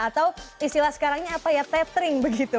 atau istilah sekarangnya apa ya tethering begitu